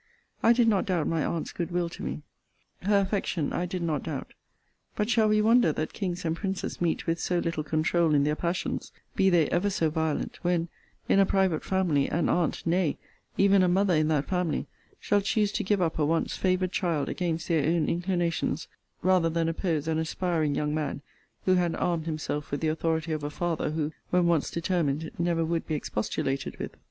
I did not doubt my aunt's good will to me. Her affection I did not doubt. But shall we wonder that kings and princes meet with so little controul in their passions, be they every so violent, when, in a private family, an aunt, nay, even a mother in that family, shall choose to give up a once favoured child against their own inclinations, rather than oppose an aspiring young man, who had armed himself with the authority of a father, who, when once determined, never would be expostulated with?